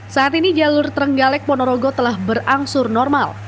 saat ini jalur trenggalek ponorogo telah berangsur normal